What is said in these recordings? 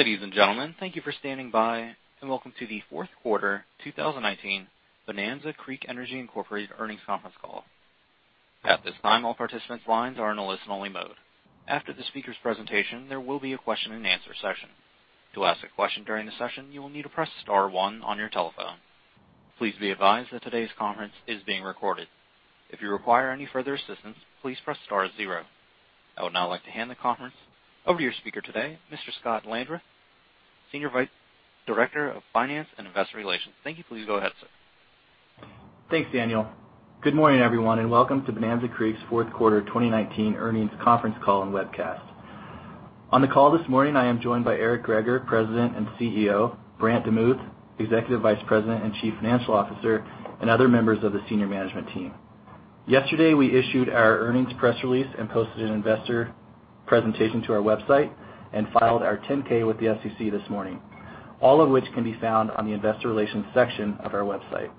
Ladies and gentlemen, thank you for standing by, and welcome to the fourth quarter 2019 Bonanza Creek Energy, Inc. earnings conference call. At this time, all participants' lines are in a listen-only mode. After the speakers' presentation, there will be a question-and-answer session. To ask a question during the session, you will need to press star one on your telephone. Please be advised that today's conference is being recorded. If you require any further assistance, please press star zero. I would now like to hand the conference over to your speaker today, Mr. Scott Landreth, Senior Director of Finance and Investor Relations, Treasurer. Please go ahead, sir. Thanks, Daniel. Good morning, everyone, and welcome to Bonanza Creek's fourth quarter 2019 earnings conference call and webcast. On the call this morning, I am joined by Eric Greager, President and CEO, Brant DeMuth, Executive Vice President and Chief Financial Officer, and other members of the senior management team. Yesterday, we issued our earnings press release and posted an investor presentation to our website and filed our 10-K with the SEC this morning, all of which can be found on the investor relations section of our website.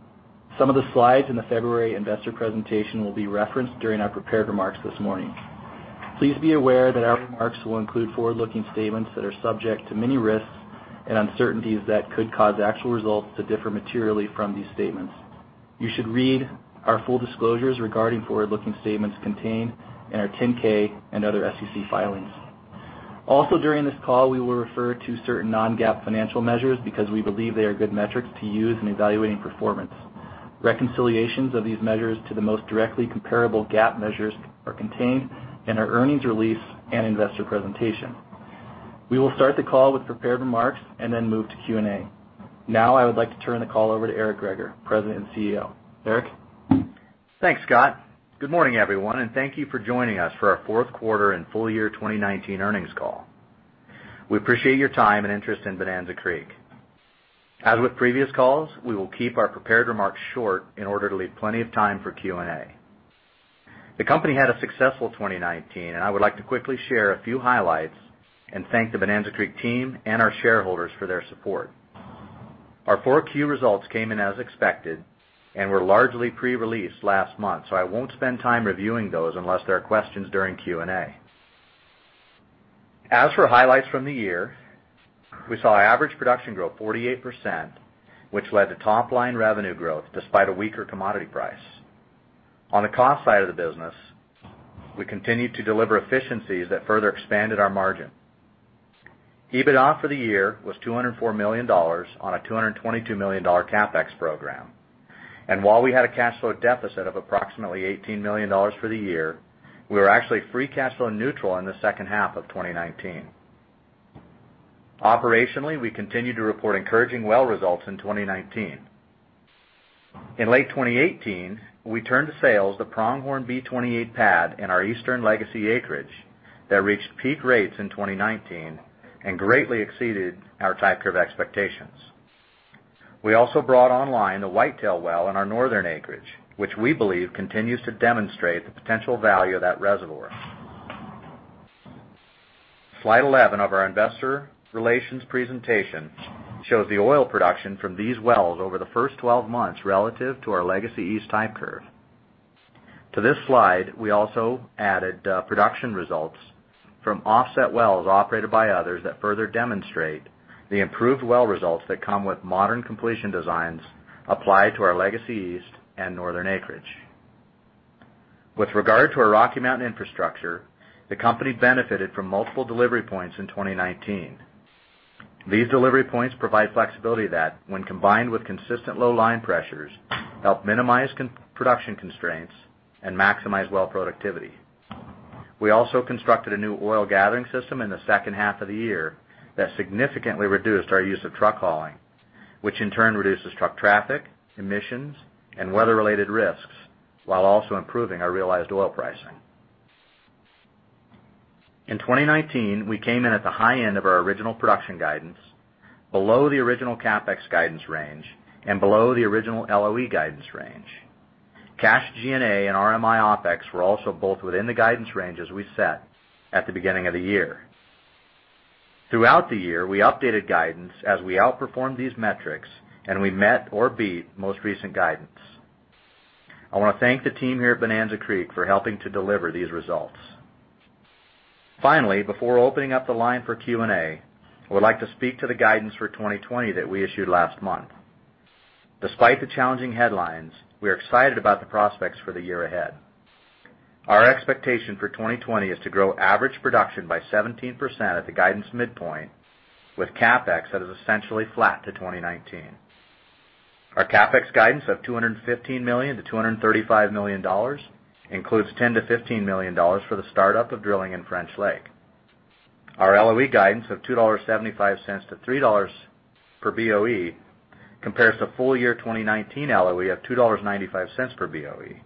Some of the slides in the February investor presentation will be referenced during our prepared remarks this morning. Please be aware that our remarks will include forward-looking statements that are subject to many risks and uncertainties that could cause actual results to differ materially from these statements. You should read our full disclosures regarding forward-looking statements contained in our 10-K and other SEC filings. During this call, we will refer to certain non-GAAP financial measures because we believe they are good metrics to use in evaluating performance. Reconciliations of these measures to the most directly comparable GAAP measures are contained in our earnings release and investor presentation. We will start the call with prepared remarks and then move to Q&A. I would like to turn the call over to Eric Greager, President and CEO. Eric? Thanks, Scott. Good morning, everyone, and thank you for joining us for our fourth quarter and full year 2019 earnings call. We appreciate your time and interest in Bonanza Creek. As with previous calls, we will keep our prepared remarks short in order to leave plenty of time for Q&A. The company had a successful 2019, and I would like to quickly share a few highlights and thank the Bonanza Creek team and our shareholders for their support. Our 4Q results came in as expected and were largely pre-released last month, so I won't spend time reviewing those unless there are questions during Q&A. As for highlights from the year, we saw average production grow 48%, which led to top-line revenue growth despite a weaker commodity price. On the cost side of the business, we continued to deliver efficiencies that further expanded our margin. EBITDA for the year was $204 million on a $222 million CapEx program. While we had a cash flow deficit of approximately $18 million for the year, we were actually free cash flow neutral in the second half of 2019. Operationally, we continued to report encouraging well results in 2019. In late 2018, we turned to sales the Pronghorn B-28 pad in our Eastern legacy acreage that reached peak rates in 2019 and greatly exceeded our type of curve expectations. We also brought online the Whitetail well in our northern acreage, which we believe continues to demonstrate the potential value of that reservoir. Slide 11 of our investor relations presentation shows the oil production from these wells over the first 12 months relative to our Legacy East type curve. To this slide, we also added production results from offset wells operated by others that further demonstrate the improved well results that come with modern completion designs applied to our Legacy East and northern acreage. With regard to our Rocky Mountain infrastructure, the company benefited from multiple delivery points in 2019. These delivery points provide flexibility that, when combined with consistent low line pressures, help minimize production constraints and maximize well productivity. We also constructed a new oil gathering system in the second half of the year that significantly reduced our use of truck hauling, which in turn reduces truck traffic, emissions, and weather-related risks, while also improving our realized oil pricing. In 2019, we came in at the high end of our original production guidance, below the original CapEx guidance range, and below the original LOE guidance range. Cash G&A and RMI OpEx were also both within the guidance ranges we set at the beginning of the year. Throughout the year, we updated guidance as we outperformed these metrics, and we met or beat the most recent guidance. I want to thank the team here at Bonanza Creek for helping to deliver these results. Finally, before opening up the line for Q&A, I would like to speak to the guidance for 2020 that we issued last month. Despite the challenging headlines, we are excited about the prospects for the year ahead. Our expectation for 2020 is to grow average production by 17% at the guidance midpoint, with CapEx that is essentially flat to 2019. Our CapEx guidance of $215 million-$235 million includes $10 million-$15 million for the startup of drilling in French Lake. Our LOE guidance of $2.75-$3 per BOE compares to full-year 2019 LOE of $2.95 per BOE.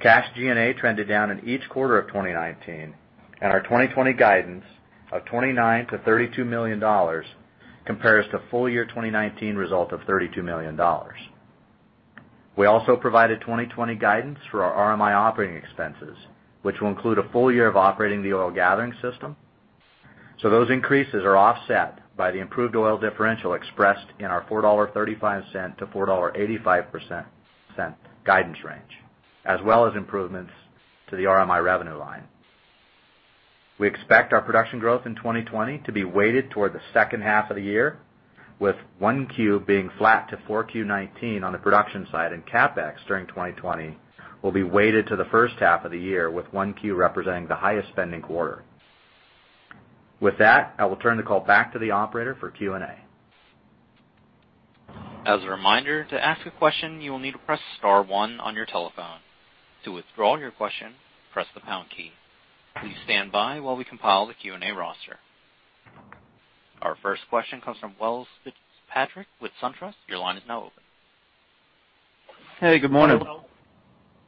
Cash G&A trended down in each quarter of 2019. Our 2020 guidance of $29 million-$32 million compares to full-year 2019 result of $32 million. We also provided 2020 guidance for our RMI operating expenses, which will include a full year of operating the oil gathering system. Those increases are offset by the improved oil differential expressed in our $4.35-$4.85 guidance range, as well as improvements to the RMI revenue line. We expect our production growth in 2020 to be weighted toward the second half of the year, with 1Q being flat to 4Q 2019 on the production side. CapEx during 2020 will be weighted to the first half of the year, with 1Q representing the highest spending quarter. With that, I will turn the call back to the operator for Q&A. As a reminder, to ask a question, you will need to press star one on your telephone. To withdraw your question, press the pound key. Please stand by while we compile the Q&A roster. Our first question comes from Welles Fitzpatrick with SunTrust. Your line is now open. Hey, good morning.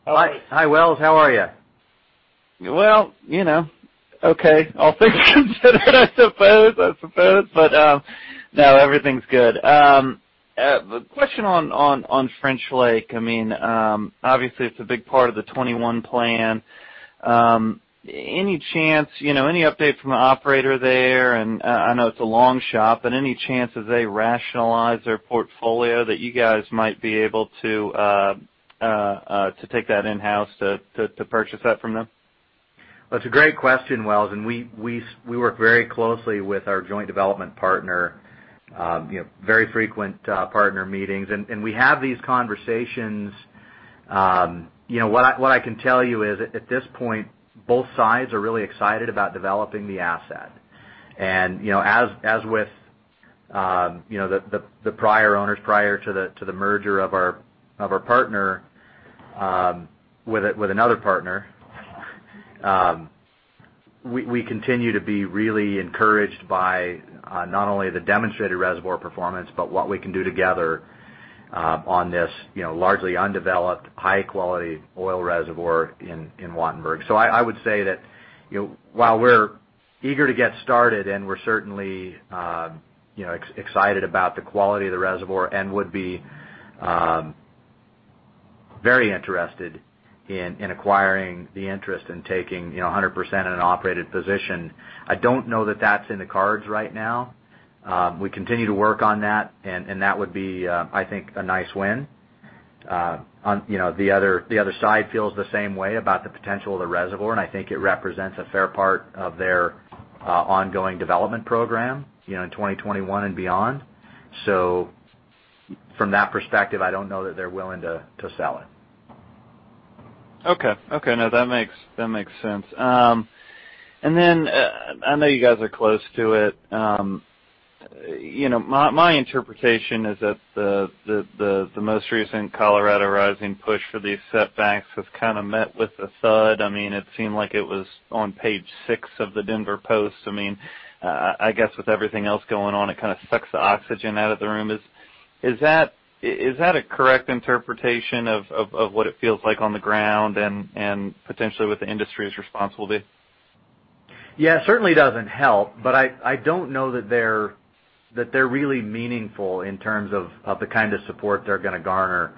Hi, Welles. How are you? Well, okay. All things considered, I suppose. No, everything's good. Question on French Lake. Obviously, it's a big part of the 2021 plan. Any update from the operator there? I know it's a long shot, but any chance as they rationalize their portfolio that you guys might be able to take that in-house to purchase that from them? That's a great question, Welles, and we work very closely with our joint development partner, very frequent partner meetings. We have these conversations. What I can tell is, at this point, both sides are really excited about developing the asset. As with the prior owners prior to the merger of our partner with another partner, we continue to be really encouraged by not only the demonstrated reservoir performance, but what we can do together on this largely undeveloped, high-quality oil reservoir in Wattenberg. I would say that while we're eager to get started, and we're certainly excited about the quality of the reservoir and would be very interested in acquiring the interest in taking 100% in an operated position, I don't know that that's in the cards right now. We continue to work on that, and that would be, I think, a nice win. The other side feels the same way about the potential of the reservoir, and I think it represents a fair part of their ongoing development program in 2021 and beyond. From that perspective, I don't know that they're willing to sell it. Okay. No, that makes sense. Then, I know you guys are close to it. My interpretation is that the most recent Colorado Rising push for these setbacks has kind of met with a thud. It seemed like it was on page six of The Denver Post. I guess with everything else going on, it sucks the oxygen out of the room. Is that a correct interpretation of what it feels like on the ground and potentially with the industry's responsibility? Yeah. It certainly doesn't help, but I don't know that they're really meaningful in terms of the kind of support they're going to garner.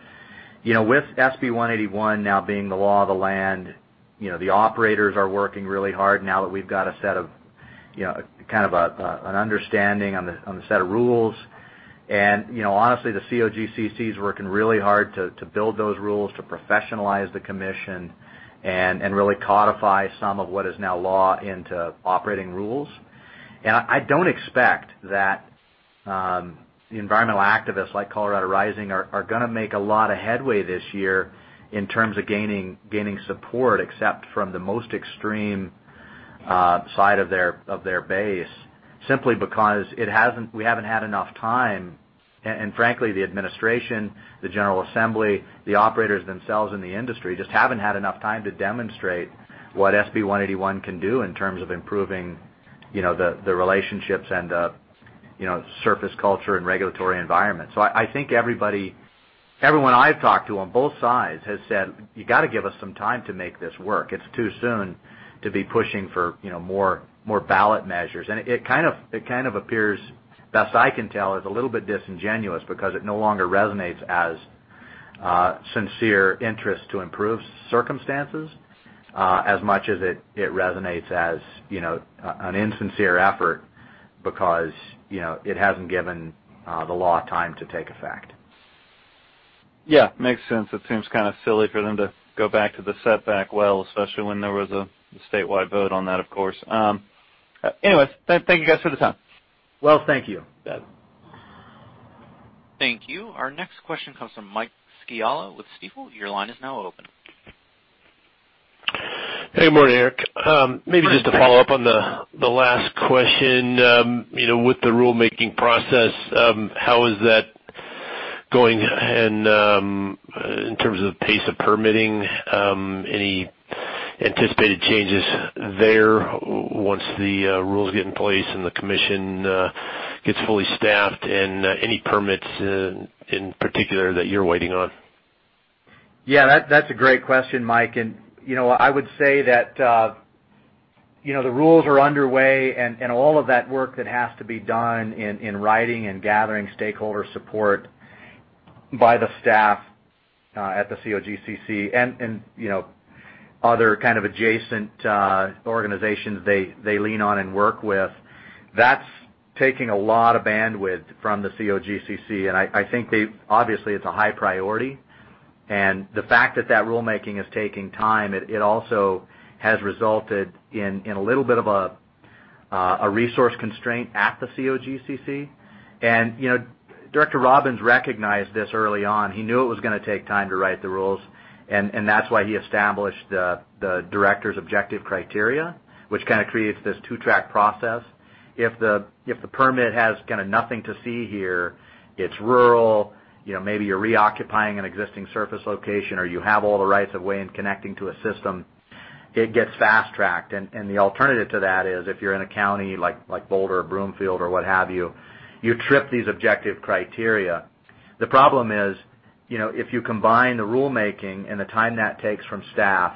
With SB 181 now being the law of the land, the operators are working really hard now that we've got a set of an understanding on the set of rules. Honestly, the COGCC is working really hard to build those rules, to professionalize the commission, and really codify some of what is now law into operating rules. I don't expect that the environmental activists like Colorado Rising are going to make a lot of headway this year in terms of gaining support, except from the most extreme side of their base, simply because we haven't had enough time, and frankly, the administration, the general assembly, the operators themselves, and the industry just haven't had enough time to demonstrate what SB 181 can do in terms of improving the relationships and the surface culture and regulatory environment. I think everyone I've talked to on both sides has said, you got to give us some time to make this work. It's too soon to be pushing for more ballot measures. It appears, best I can tell, is a little bit disingenuous because it no longer resonates as a sincere interest to improve circumstances as much as it resonates as an insincere effort because it hasn't given the law time to take effect. Yeah, makes sense. It seems silly for them to go back to the setback well, especially when there was a statewide vote on that, of course. Anyways, thank you guys for the time. Welles, thank you. Thank you. Our next question comes from Mike Scialla with Stifel. Your line is now open. Hey, good morning, Eric. Maybe just to follow up on the last question. With the rulemaking process, how is that going? In terms of the pace of permitting, any anticipated changes there once the rules get in place and the Commission gets fully staffed, and any permits in particular that you're waiting on? Yeah, that's a great question, Mike. I would say that the rules are underway, and all of that work that has to be done in writing and gathering stakeholder support by the staff at the COGCC and other adjacent organizations they lean on and work with, that's taking a lot of bandwidth from the COGCC, and I think obviously it's a high priority. The fact that rulemaking is taking time, it also has resulted in a little bit of a resource constraint at the COGCC. Director Robbins recognized this early on. He knew it was going to take time to write the rules, and that's why he established the Director's Objective Criteria, which kind of creates this two-track process. If the permit has kind of nothing to see here, it's rural, maybe you're reoccupying an existing surface location, or you have all the rights of way in connecting to a system, it gets fast-tracked. The alternative to that is if you're in a county like Boulder or Broomfield or what have you trip these Objective Criteria. The problem is, if you combine the rulemaking and the time that takes from staff,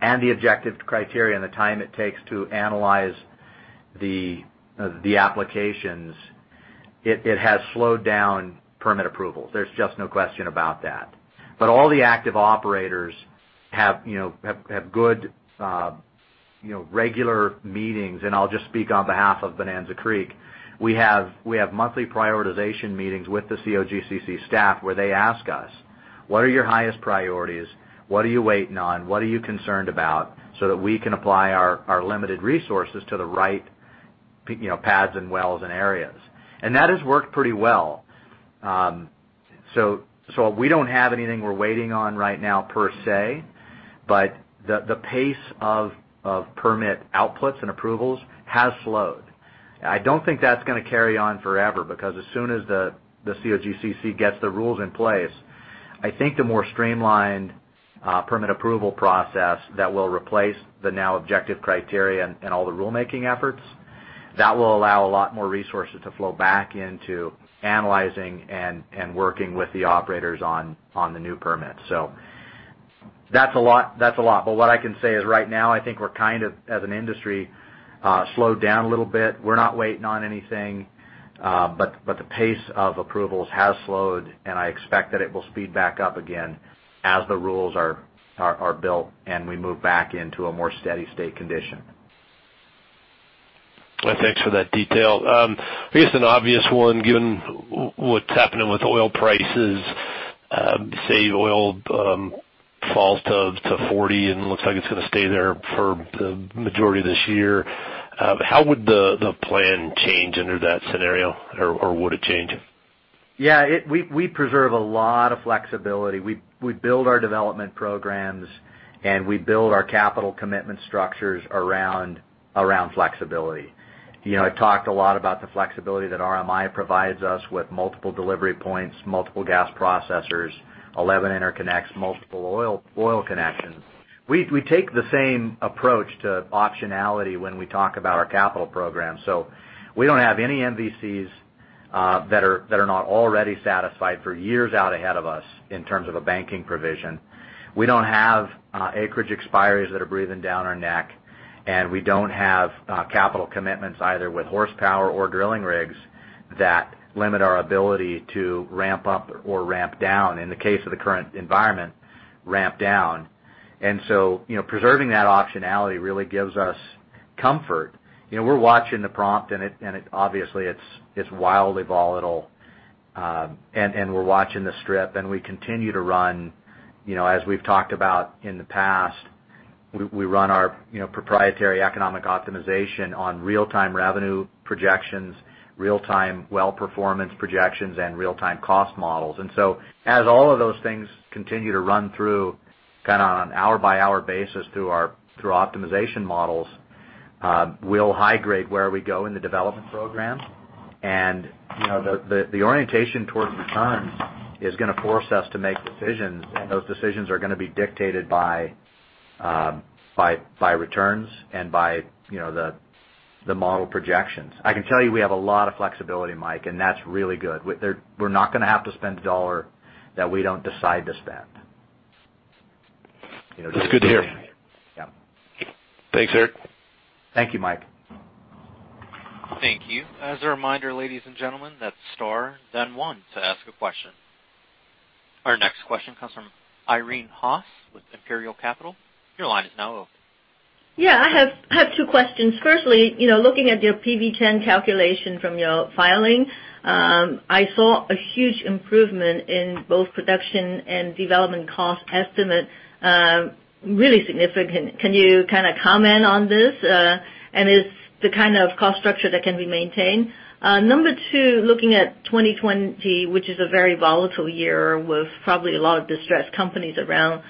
and the Objective Criteria and the time it takes to analyze the applications, it has slowed down permit approvals. There's just no question about that. All the active operators have good regular meetings. I'll just speak on behalf of Bonanza Creek. We have monthly prioritization meetings with the COGCC staff where they ask us. What are your highest priorities? What are you waiting on? What are you concerned about? That we can apply our limited resources to the right paths, wells and areas. That has worked pretty well. We don't have anything we're waiting on right now, per se, but the pace of permit outputs and approvals has slowed. I don't think that's going to carry on forever because as soon as the COGCC gets the rules in place, I think the more streamlined permit approval process that will replace the now Objective Criteria and all the rulemaking efforts, that will allow a lot more resources to flow back into analyzing and working with the operators on the new permits. That's a lot, but what I can say is right now, I think we're kind of, as an industry slowed down a little bit. We're not waiting on anything. The pace of approvals has slowed, and I expect that it will speed back up again as the rules are built, and we move back into a more steady state condition. Well, thanks for that detail. I guess an obvious one, given what's happening with oil prices. Say oil falls to $40 and looks like it's going to stay there for the majority of this year. How would the plan change under that scenario? Would it change? Yeah, we preserve a lot of flexibility. We build our development programs, and we build our capital commitment structures around flexibility. I've talked a lot about the flexibility that RMI provides us with multiple delivery points, multiple gas processors, 11 interconnects, and multiple oil connections. We take the same approach to optionality when we talk about our capital program. We don't have any MVCs that are not already satisfied for years out ahead of us in terms of a banking provision. We don't have acreage expiries that are breathing down our neck, and we don't have capital commitments either with horsepower or drilling rigs that limit our ability to ramp up or ramp down, in the case of the current environment, ramp down. Preserving that optionality really gives us comfort. We're watching the prompt, and obviously it's wildly volatile. We're watching the strip, and we continue to run as we've talked about in the past. We run our proprietary economic optimization on real-time revenue projections, real-time well performance projections, and real-time cost models. As all of those things continue to run through, kind of on an hour-by-hour basis through optimization models, we'll high grade where we go in the development program. The orientation towards returns is going to force us to make decisions, and those decisions are going to be dictated by returns and by the model projections. I can tell you we have a lot of flexibility, Mike, and that's really good. We're not going to have to spend a dollar that we don't decide to spend. That's good to hear. Yeah. Thanks, Eric. Thank you, Mike. Thank you. As a reminder, ladies and gentlemen, that is star then one to ask a question. Our next question comes from Irene Haas with Imperial Capital. Your line is now open. Yeah, I have two questions. Firstly, looking at your PV-10 calculation from your filing, I saw a huge improvement in both production and development cost estimate. Really significant. Can you comment on this? Is it the kind of cost structure that can be maintained? Number two, looking at 2020, which is a very volatile year with probably a lot of distressed companies around,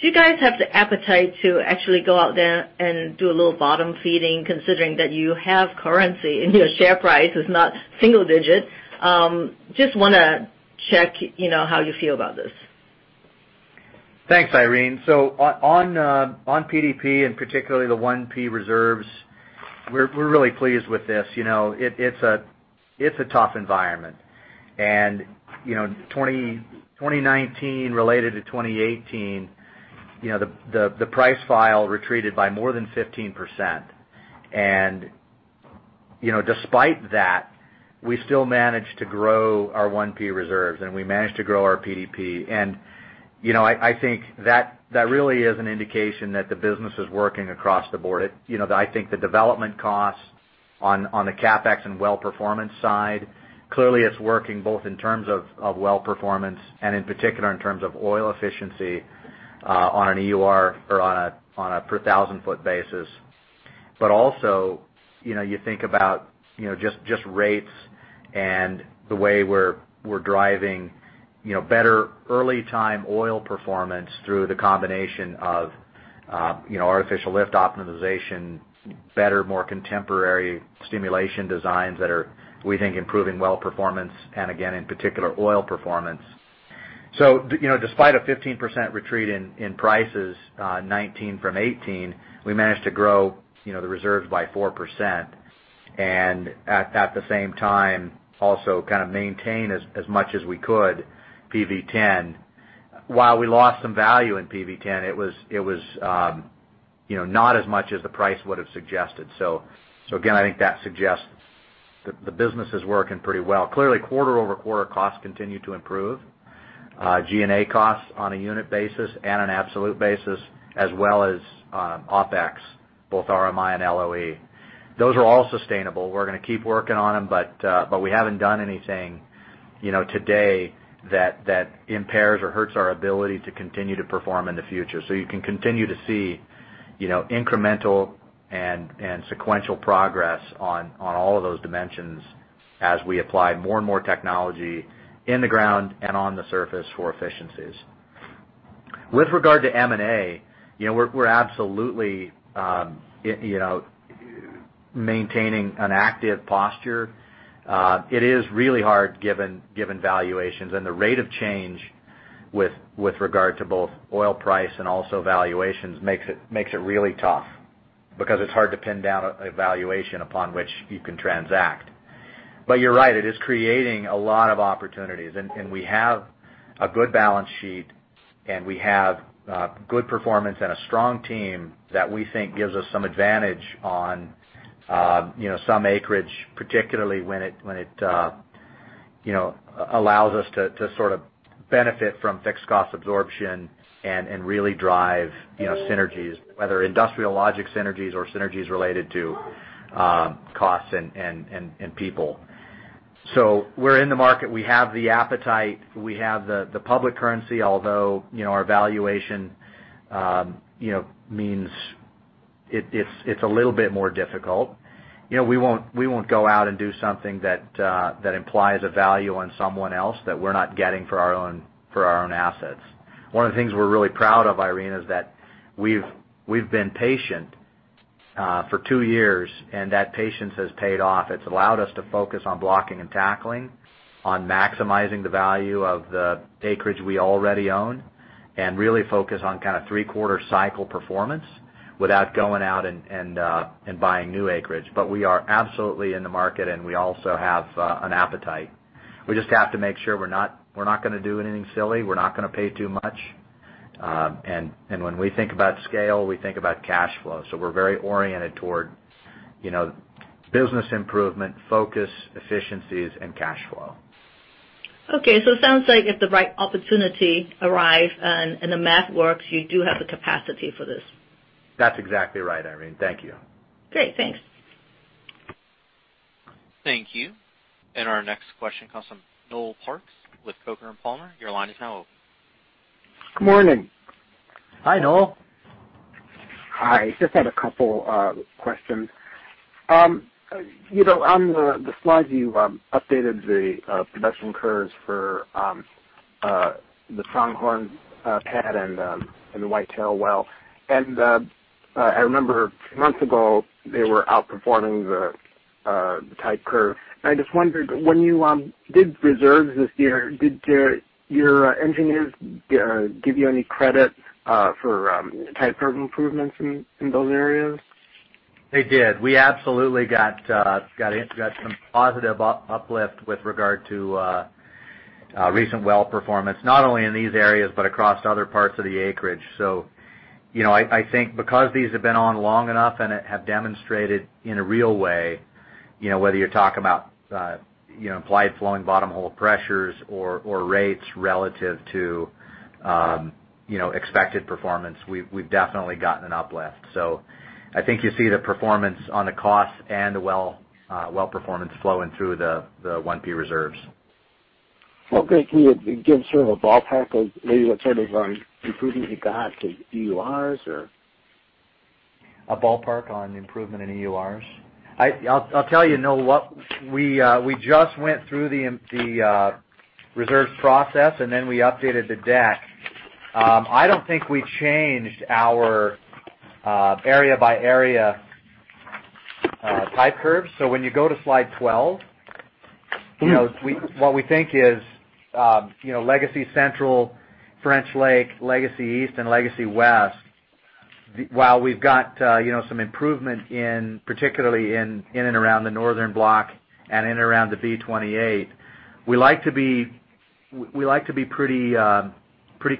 do you guys have the appetite to actually go out there and do a little bottom-feeding, considering that you have currency and your share price is not single-digit? Just want to check how you feel about this. Thanks, Irene. On PDP and particularly the 1P reserves, we're really pleased with this. It's a tough environment. 2019 related to 2018, the price file retreated by more than 15%. Despite that, we still managed to grow our 1P reserves, and we managed to grow our PDP. I think that really is an indication that the business is working across the board. I think the development costs on the CapEx and well performance side, clearly, it's working both in terms of well performance and in particular in terms of oil efficiency on an EUR or on a per 1,000 ft basis. Also, you think about just rates and the way we're driving better early time oil performance through the combination of artificial lift optimization, better, more contemporary stimulation designs that are, we think, improving well performance, and again, in particular, oil performance. Despite a 15% retreat in prices, 2019 from 2018, we managed to grow the reserves by 4%, and at the same time, also maintain as much as we could PV-10. While we lost some value in PV-10, it was not as much as the price would've suggested. Again, I think that suggests the business is working pretty well. Clearly, quarter-over-quarter costs continue to improve, G&A costs on a unit basis and an absolute basis, as well as OpEx, both RMI and LOE. Those are all sustainable. We're going to keep working on them, but we haven't done anything today that impairs or hurts our ability to continue to perform in the future. You can continue to see incremental and sequential progress on all of those dimensions as we apply more and more technology in the ground and on the surface for efficiencies. With regard to M&A, we're absolutely maintaining an active posture. It is really hard given valuations, and the rate of change with regard to both oil price and also valuations make it really tough, because it's hard to pin down a valuation upon which you can transact. You're right, it is creating a lot of opportunities, and we have a good balance sheet, and we have good performance and a strong team that we think gives us some advantage on some acreage, particularly when it allows us to sort of benefit from fixed cost absorption and really drive synergies, whether industrial logic synergies or synergies related to costs and people. We're in the market. We have the appetite. We have the public currency, although our valuation means it's a little bit more difficult. We won't go out and do something that implies a value on someone else that we're not getting for our own assets. One of the things we're really proud of, Irene, is that we've been patient for two years, and that patience has paid off. It's allowed us to focus on blocking and tackling, on maximizing the value of the acreage we already own and really focus on three quarter cycle performance without going out and buying new acreage. We are absolutely in the market, and we also have an appetite. We just have to make sure we're not going to do anything silly. We're not going to pay too much. When we think about scale, we think about cash flow. We're very oriented toward business improvement, focus, efficiencies, and cash flow. Okay. It sounds like if the right opportunity arrives and the math works, you do have the capacity for this. That's exactly right, Irene. Thank you. Great. Thanks. Thank you. Our next question comes from Noel Parks with Coker & Palmer. Your line is now open. Good morning. Hi, Noel. Hi. Just had a couple of questions. On the slides, you updated the production curves for the Pronghorn pad and the Whitetail well. I remember a few months ago, they were outperforming the type of curve. I just wondered, when you did reserve this year, did your engineers give you any credit for type curve improvements in those areas? They did. We absolutely got some positive uplift with regard to recent well performance, not only in these areas, but across other parts of the acreage. I think because these have been on long enough and have demonstrated in a real way, whether you're talking about applied flowing bottom hole pressures or rates relative to expected performance, we've definitely gotten an uplift. I think you'll see the performance on the cost and the well performance flowing through the 1P reserves. Okay. Can you give sort of a ballpark of maybe what sort of improvements you got to EURs or? A ballpark on improvement in EURs? I'll tell you, Noel. We just went through the reserves process, and then we updated the deck. I don't think we changed our area-by-area type curves. When you go to slide 12. What we think is Legacy Central, French Lake, Legacy East, and Legacy West, while we've got some improvement particularly in and around the northern block and in and around the B-28, we like to be pretty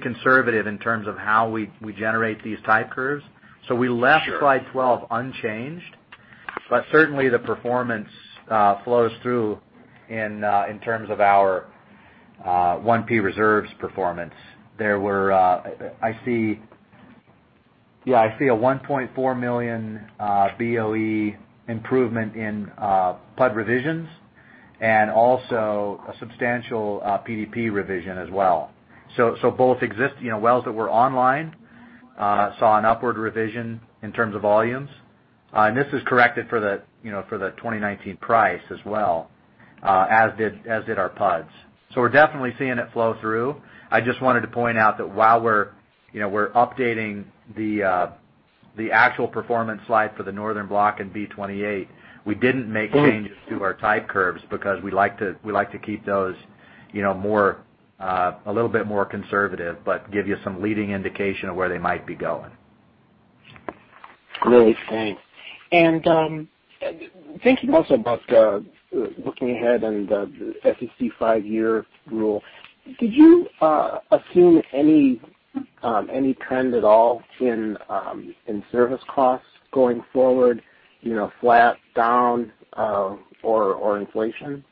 conservative in terms of how we generate these type curves. Sure. We left slide 12 unchanged, but certainly the performance flows through in terms of our 1P reserves performance. I see a 1.4 million BOE improvement in PUD revisions, and also a substantial PDP revision as well. Both wells that were online saw an upward revision in terms of volumes, and this is corrected for the 2019 price as well, as did our PUDs. I just wanted to point out that while we're updating the actual performance slide for the Northern Block and B-28, we didn't make changes to our type curves because we like to keep those a little bit more conservative but give you some leading indication of where they might be going. Thinking also about looking ahead and the SEC five-year rule, did you assume any trend at all in service costs going forward, flat down or inflation?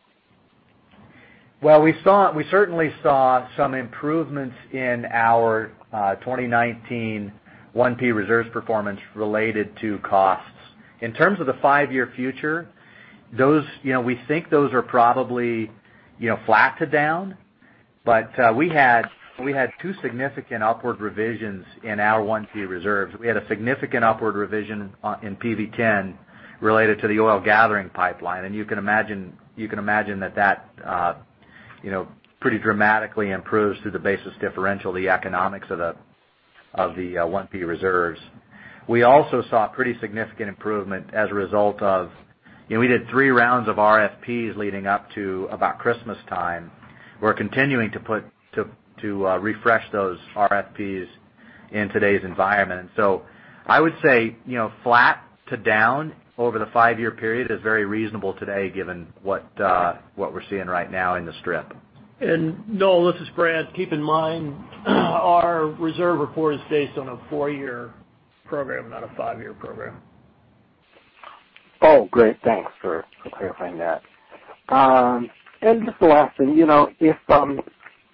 We certainly saw some improvements in our 2019 1P reserves performance related to costs. In terms of the five-year future, we think those are probably flat to down. We had two significant upward revisions in our 1P reserves. We had a significant upward revision in PV-10 related to the oil gathering pipeline, you can imagine that that pretty dramatically improves through the basis differential, the economics of the 1P reserves. We also saw pretty significant improvement as a result of we did three rounds of RFPs leading up to about Christmas time. We're continuing to refresh those RFPs in today's environment. I would say, flat to down over the five-year period is very reasonable today given what we're seeing right now in the strip. Noel, this is Brant. Keep in mind, our reserve report is based on a four-year program, not a five-year program. Oh, great, thanks for clarifying that. Just the last thing,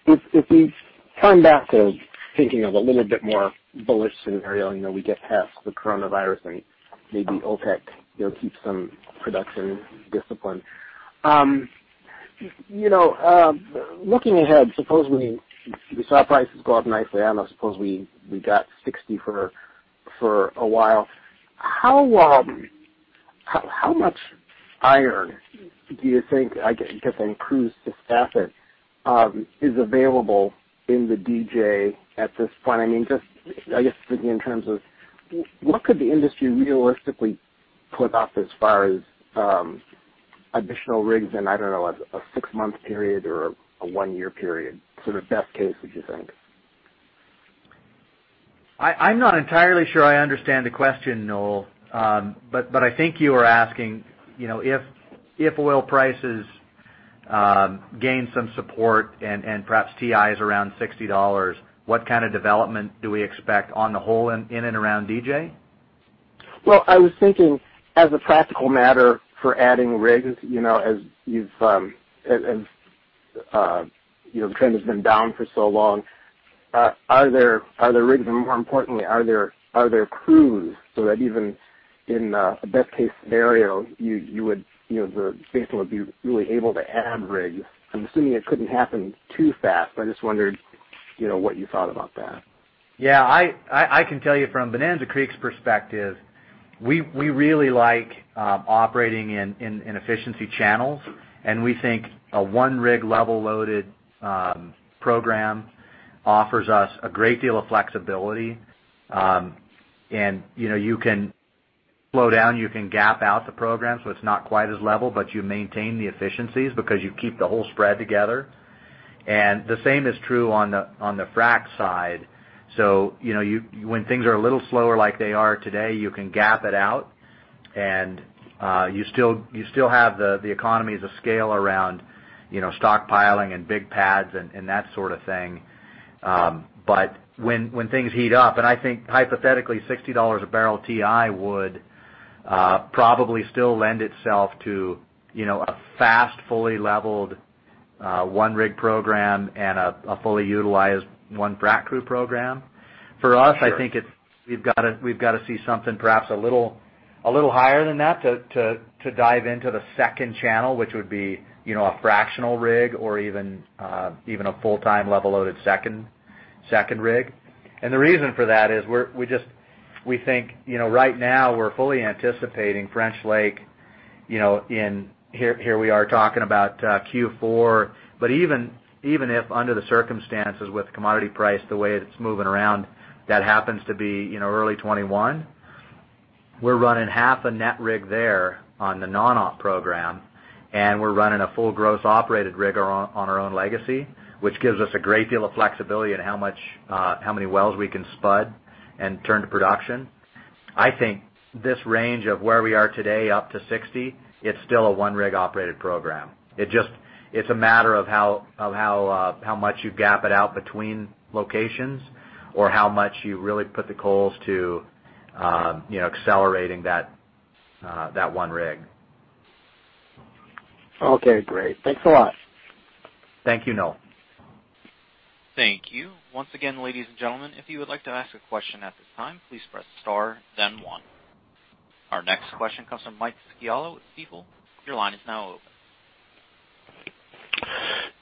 if we turn back to thinking of a little bit more bullish scenario, we get past the coronavirus and maybe OPEC, they'll keep some production discipline. Looking ahead, supposedly we saw prices go up nicely, suppose we got 60 for a while. How much iron do you think, I guess, in crews to staff it, is available in the DJ at this point? I guess thinking in terms of what could the industry realistically put up as far as additional rigs in, I don't know, a six-month period or a one-year period, sort of best case, would you think? I'm not entirely sure I understand the question, Noel. I think you were asking, if oil prices gain some support and perhaps TI is around $60, what kind of development do we expect on the whole in and around DJ? Well, I was thinking as a practical matter for adding rigs, as the trend has been down for so long, are there rigs, and more importantly, are there crews so that even in a best-case scenario, the space would be really able to add rigs? I'm assuming it couldn't happen too fast, but I just wondered what you thought about that. Yeah, I can tell you from Bonanza Creek's perspective, we really like operating in efficiency channels, and we think a one-rig level loaded program offers us a great deal of flexibility. You can slow down, you can gap out the program so it's not quite as level, but you maintain the efficiencies because you keep the whole spread together. The same is true on the frack side. When things are a little slower, like they are today, you can gap it out, and you still have the economies of scale around stockpiling and big pads and that sort of thing. When things heat up, and I think hypothetically $60 a barrel TI would probably still lend itself to a fast, fully leveled one-rig program and a fully utilized one-frack-crew program. Sure. For us, I think we've got to see something perhaps a little higher than that to dive into the second channel, which would be a fractional rig or even a full-time level loaded second rig. The reason for that is we think right now we're fully anticipating French Lake, here we are talking about Q4, but even if under the circumstances with commodity price, the way it's moving around, that happens to be early 2021, we're running half a net rig there on the non-op program, and we're running a full gross operated rig on our own legacy, which gives us a great deal of flexibility in how many wells we can spud and turn to production. I think this range of where we are today up to $60, is still a one-rig-operated program. It's a matter of how much you gap it out between locations or how much you really put the coals to accelerate that one rig. Okay, great. Thanks a lot. Thank you, Noel. Thank you. Once again, ladies and gentlemen, if you would like to ask a question at this time, please press star then one. Our next question comes from Mike Scialla with Stifel. Your line is now open.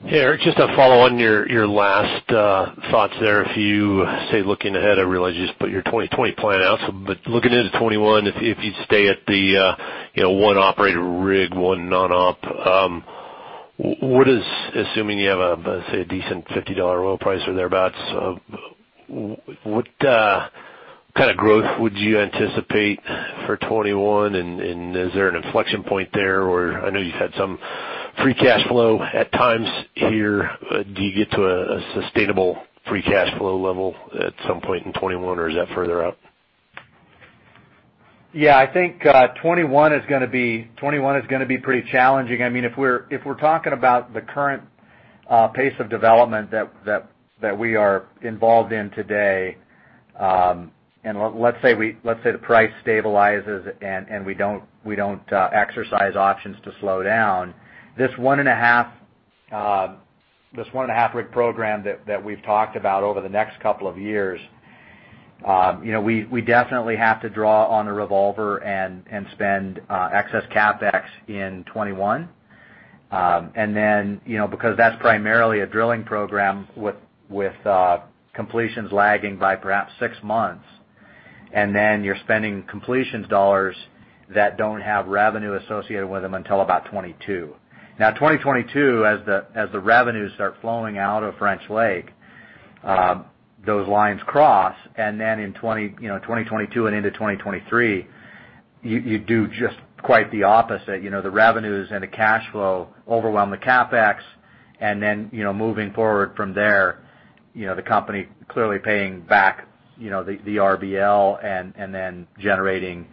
Hey, Eric, just to follow on your last thoughts there. If you say looking ahead, I realize you just put your 2020 plan out, but looking into 2021, if you stay at the one operator rig, one non-op, assuming you have a, let's say, a decent $50 oil price or thereabouts, what kind of growth would you anticipate for 2021? Is there an inflection point there? I know you've had some free cash flow at times here. Do you get to a sustainable free cash flow level at some point in 2021 or is that further out? Yeah, I think 2021 is going to be pretty challenging. If we're talking about the current pace of development that we are involved in today, and let's say the price stabilizes, and we don't exercise options to slow down, this one and a half rig program that we've talked about over the next couple of years, we definitely have to draw on a revolver and spend excess CapEx in 2021. Because that's primarily a drilling program with completions lagging by perhaps six months, and then you're spending completions dollars that don't have revenue associated with them until about 2022. Now, 2022, as the revenues start flowing out of French Lake, those lines cross, and then in 2022 and into 2023, you do just quite the opposite. The revenues and the cash flow overwhelm the CapEx, and then, moving forward from there, the company clearly paying back the RBL and then generating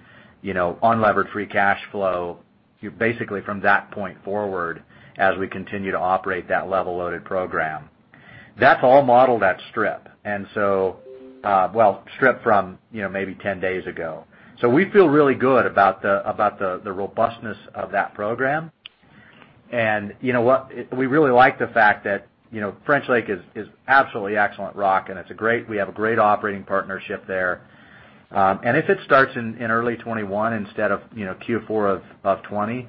unlevered free cash flow. You're basically from that point forward, as we continue to operate that level-loaded program. That's all modeled at the strip. Well, strip from maybe 10 days ago. We feel really good about the robustness of that program. We really like the fact that French Lake is absolutely excellent rock, and we have a great operating partnership there. If it starts in early 2021 instead of Q4 of 2020,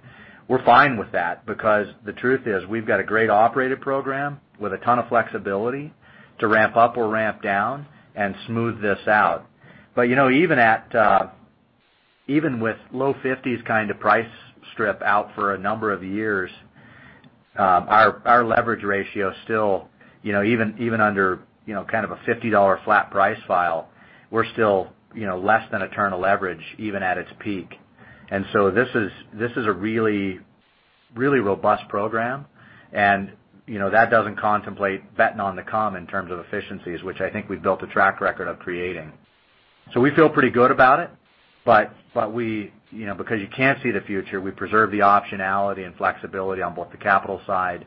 we're fine with that because the truth is, we've got a great operated program with a ton of flexibility to ramp up or ramp down and smooth this out. Even with low 50s price strip out for a number of years, our leverage ratio still, even under a $50 flat price file, we're still less than a turn of leverage even at its peak. This is a really robust program, and that doesn't contemplate betting on the come in terms of efficiencies, which I think we've built a track record of creating. We feel pretty good about it, but because you can't see the future, we preserve the optionality and flexibility on both the capital side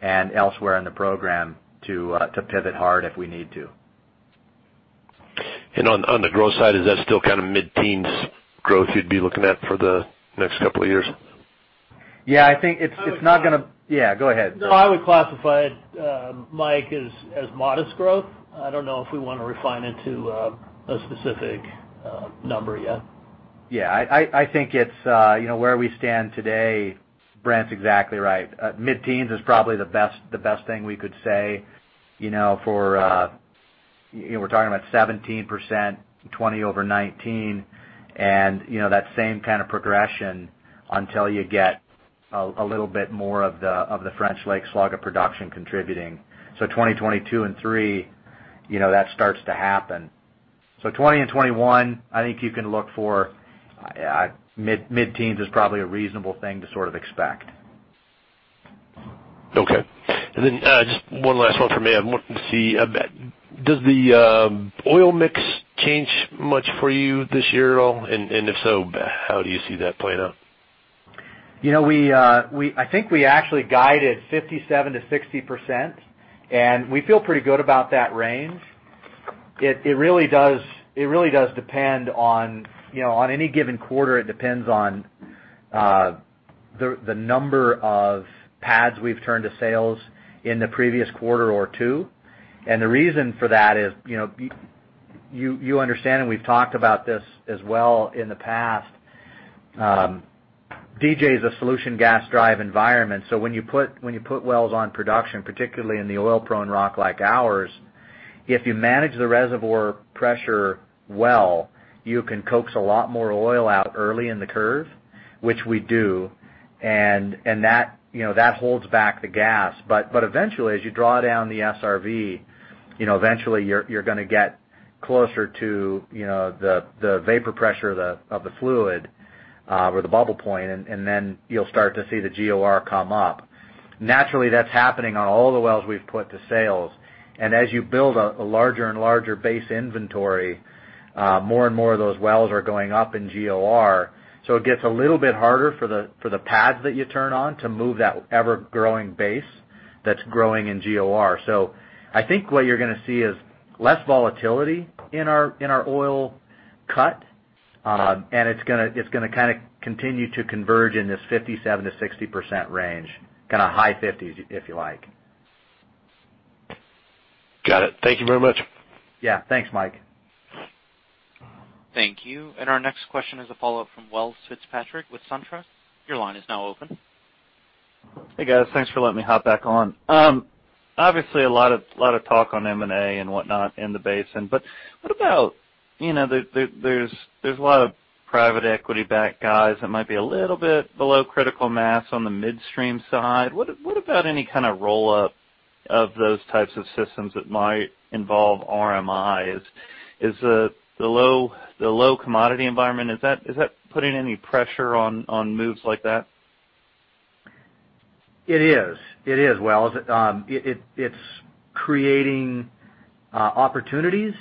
and elsewhere in the program to pivot hard if we need to. On the growth side, is that still mid-teens growth you'd be looking at for the next couple of years? Yeah, I think. Yeah, go ahead. No, I would classify it, Mike, as modest growth. I don't know if we want to refine it to a specific number yet. Yeah. I think where we stand today, Brant's exactly right. Mid-teens is probably the best thing we could say. We're talking about 17%, 2020 over 2019, and that same kind of progression until you get a little bit more of the French Lake slug of production contributing. 2022 and 2023, that starts to happen. 2020 and 2021, I think you can look for mid-teens, is probably a reasonable thing to sort of expect. Okay. Then just one last one from me. I'm wanting to see, does the oil mix change much for you this year at all? If so, how do you see that playing out? I think we actually guided 57%-60%. We feel pretty good about that range. It really does depend on any given quarter, it depends on the number of pads we've turned to sales in the previous quarter or two. The reason for that is, you understand. We've talked about this as well in the past. DJ is a solution gas drive environment. When you put wells on production, particularly in the oil-prone rock like ours, if you manage the reservoir pressure well, you can coax a lot more oil out early in the curve, which we do. That holds back the gas. Eventually, as you draw down the SRV, eventually, you're going to get closer to the vapor pressure of the fluid, or the bubble point. Then you'll start to see the GOR come up. Naturally, that's happening on all the wells we've put to sales. As you build a larger and larger base inventory, more and more of those wells are going up in GOR. It gets a little bit harder for the pads that you turn on to move that ever-growing base that's growing in GOR. I think what you're going to see is less volatility in our oil cut, and it's going to kind of continue to converge in this 57%-60% range, kind of high 50s, if you like. Got it. Thank you very much. Yeah. Thanks, Mike. Thank you. Our next question is a follow-up from Welles Fitzpatrick with SunTrust. Your line is now open. Hey, guys. Thanks for letting me hop back on. Obviously, a lot of talk on M&A and whatnot in the basin, but there's a lot of private equity-backed guys that might be a little bit below critical mass on the midstream side. What about any kind of roll-up of those types of systems that might involve RMIs? Is the low commodity environment putting any pressure on moves like that? It is. Welles, it's creating opportunities,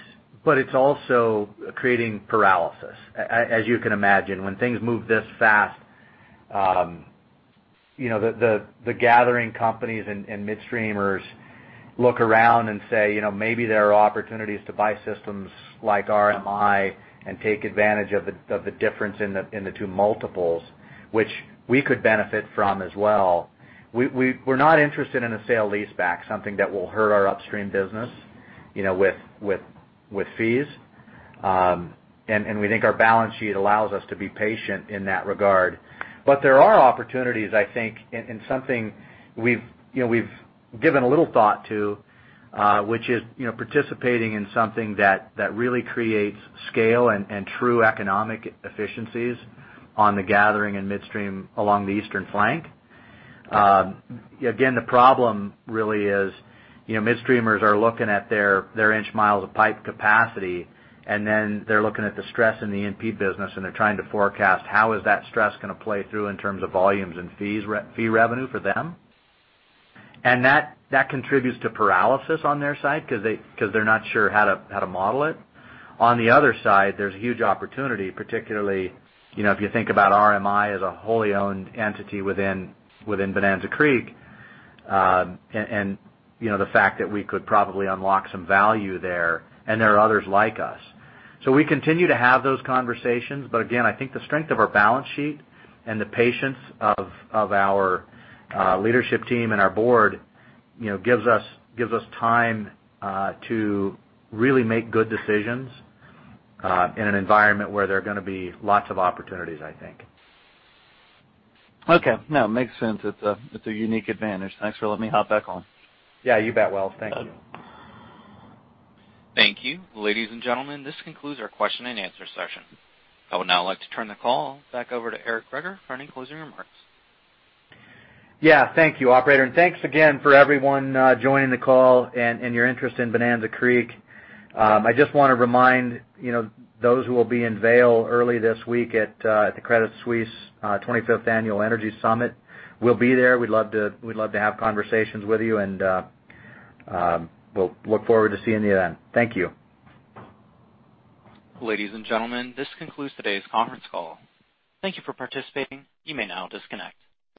but it's also creating paralysis. As you can imagine, when things move this fast, the gathering companies and midstreamers look around and say, maybe there are opportunities to buy systems like RMI and take advantage of the difference in the two multiples, which we could benefit from as well. We're not interested in a sale-leaseback, something that will hurt our upstream business, with fees. We think our balance sheet allows us to be patient in that regard. There are opportunities, I think, and something we've given a little thought to, which is participating in something that really creates scale and true economic efficiencies on the gathering and midstream along the eastern flank. The problem really is midstreamers are looking at their inch miles of pipe capacity, and then they're looking at the stress in the E&P business, and they're trying to forecast how is that stress going to play through in terms of volumes and fee revenue for them. That contributes to paralysis on their side, because they're not sure how to model it. On the other side, there's huge opportunity, particularly if you think about RMI as a wholly owned entity within Bonanza Creek, and the fact that we could probably unlock some value there, and there are others like us. We continue to have those conversations, but again, I think the strength of our balance sheet and the patience of our leadership team, and our board gives us time to really make good decisions in an environment where there are going to be lots of opportunities, I think. Okay. No, it makes sense. It's a unique advantage. Thanks for letting me hop back on. Yeah, you bet, Welles. Thank you. Thank you. Ladies and gentlemen, this concludes our question-and-answer session. I would now like to turn the call back over to Eric Greager for any closing remarks. Yeah. Thank you, operator. Thanks again for everyone joining the call and your interest in Bonanza Creek. I just want to remind those who will be in Vail early this week at the Credit Suisse 25th annual energy summit. We'll be there. We'd love to have conversations with you, and we'll look forward to seeing you then. Thank you. Ladies and gentlemen, this concludes today's conference call. Thank you for participating. You may now disconnect.